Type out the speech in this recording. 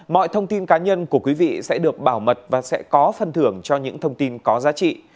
mọi thông tin cá nhân của quý vị sẽ được bảo mật và sẽ có phân thưởng cho những thông tin có giá trị